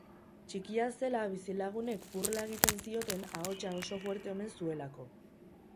Txikia zela bizilagunek burla egiten zioten ahotsa oso fuerte omen zuelako.